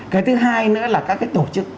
cái thứ hai nữa là các cái tổ chức